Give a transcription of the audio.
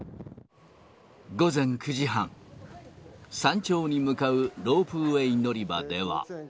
午前９時半、山頂に向かうロープウェー乗り場では。